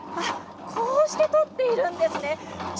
こうして取っているんですね。